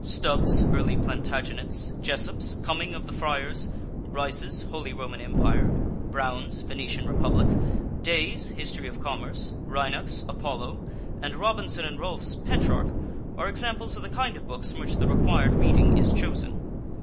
Stubb's "Early Plantagenets," Jessopp's "Coming of the Friars," Bryce's "Holy Roman Empire," Brown's "Venetian Republic," Day's "History of Commerce," Reinach's "Apollo," and Robinson and Rolfe's "Petrarch," are examples of the kind of books from which the required reading is chosen.